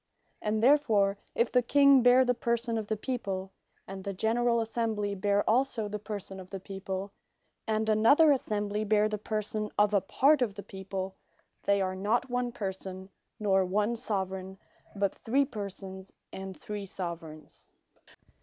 And therefore if the King bear the person of the People, and the generall Assembly bear also the person of the People, and another assembly bear the person of a Part of the people, they are not one Person, nor one Soveraign, but three Persons, and three Soveraigns.